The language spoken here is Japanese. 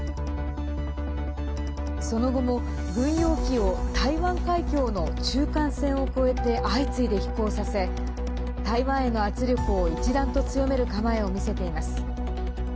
その後も、軍用機を台湾海峡の中間線を越えて相次いで飛行させ台湾への圧力を一段と強める構えを見せています。